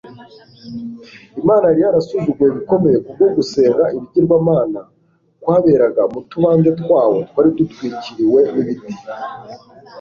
Imana yari yarasuzuguwe bikomeye kubwo gusenga ibigirwamana kwaberaga mu tubande twawo twari dutwikiriwe nibiti